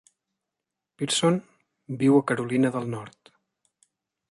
Pearson viu a Carolina del Nord.